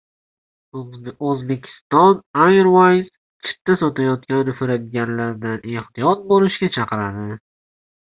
«Uzbekistan Airways» chipta sotayotgan firibgarlardan ehtiyot bo‘lishga chaqirdi